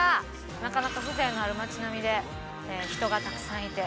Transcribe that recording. なかなか風情のある街並みで人がたくさんいて。